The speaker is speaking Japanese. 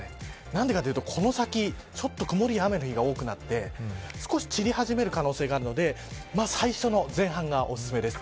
何でかというと、この先ちょっと曇りと雨の日が多くなって少し散り始める可能性があるので最初の前半がおすすめです。